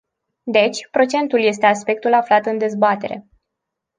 Deci, procentul este aspectul aflat în dezbatere.